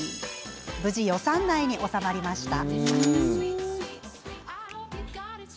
無事、予算内に収まりました。